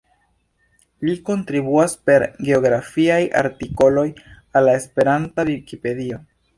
Li kontribuas per geografiaj artikoloj al la Esperanta Vikipedio.